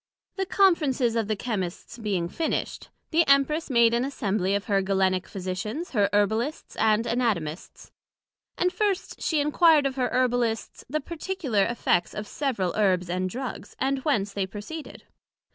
The Conferences of the Chymists being finished, the Empress made an Assembly of her Galenical Physicians, her Herbalists and Anatomists; and first she enquired of her Herbalists the particular effects of several Herbs and Drugs, and whence they proceeded?